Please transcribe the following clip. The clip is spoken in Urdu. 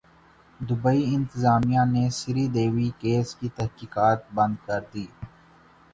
دبئی انتظامیہ نے سری دیوی کیس کی تحقیقات بند کردی